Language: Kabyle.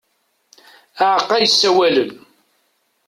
Aɛeqqa yessawalen.